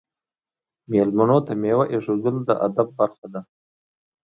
میلمنو ته میوه ایښودل د ادب برخه ده.